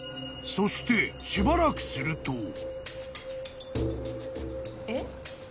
［そしてしばらくすると］